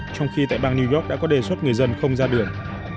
trong khi tại bang new york đã có đề xuất người dân không ra đường